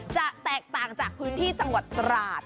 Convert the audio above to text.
จะแตกต่างจากพื้นที่จังหวัดตราด